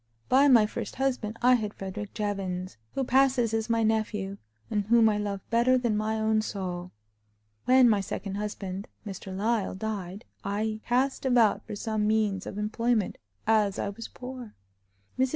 By my first husband I had Frederick Jevons, who passes as my nephew, and whom I love better than my own soul. When my second husband, Mr. Lyle, died, I cast about for some means of employment, as I was poor. Mrs.